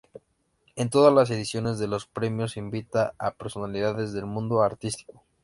En todas las ediciones de los premios se invita a personalidades del mundo artístico.